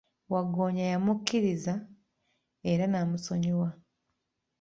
Waggoonya yamukiriza era namusonyiwa.